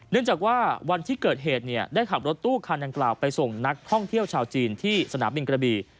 เนื่องจากว่าวันที่เกิดเหตุได้ขับรถตู้คันดังกล่าวไปส่งนักท่องเที่ยวชาวจีนที่สนามบินกระบี